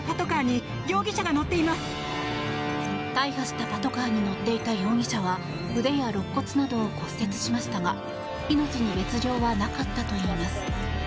大破したパトカーに乗っていた容疑者は腕や肋骨などを骨折しましたが命に別条はなかったといいます。